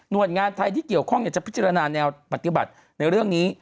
โดยงานไทยที่เกี่ยวข้องจะพิจารณาแนวปฏิบัติในเรื่องนี้